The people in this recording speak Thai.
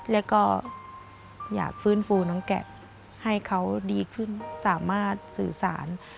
แล้วก็อยากฟื้นฟูน้องแกะให้เขาดีขึ้นสามารถสื่อสาร